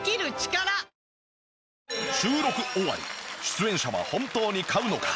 出演者は本当に買うのか？